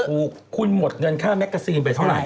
ถูกคุณหมดเงินค่าแมกกาซีนไปเท่าไหร